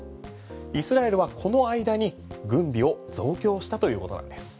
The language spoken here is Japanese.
イスラエルはこの間に軍備を増強したということなんです。